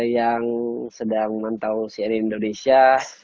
yang sedang nonton cri indonesia